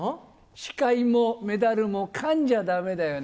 司会もメダルも、かんじゃだめだよね。